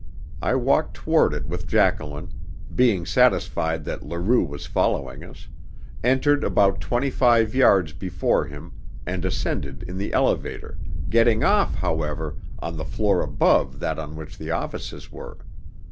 I walked toward it with Jacqueline, being satisfied that Leroux was following us; entered about twenty five yards before him, and ascended in the elevator, getting off, however, on the floor above that on which the offices were.